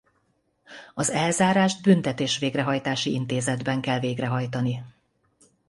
Az elzárást büntetés-végrehajtási intézetben kell végrehajtani.